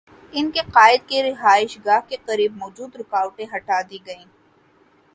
ان کے قائد کی رہائش گاہ کے قریب موجود رکاوٹیں ہٹا دی گئیں۔